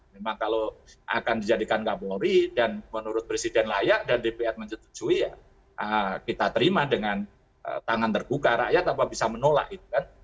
memang kalau akan dijadikan kapolri dan menurut presiden layak dan dpr menyetujui ya kita terima dengan tangan terbuka rakyat apa bisa menolak itu kan